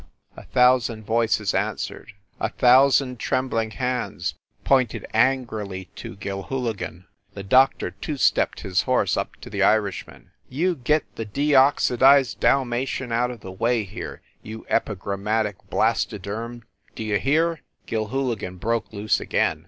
A thousand voices answered; a thousand trem 198 FIND THE WOMAN bling hands pointed angrily to Gilhooligan. The doctor two stepped his horse up to the Irishman. "You get the deoxidized Dalmation way out of here, you epigrammatic blastoderm, d you hear?" Gilhooligan broke loose again.